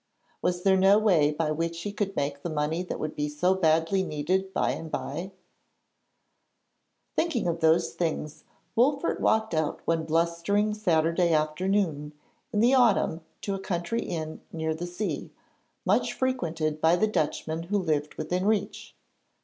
Was there no way by which he could make the money that would be so badly needed by and bye? Thinking of those things, Wolfert walked out one blustering Saturday afternoon in the autumn to a country inn near the sea, much frequented by the Dutchmen who lived within reach.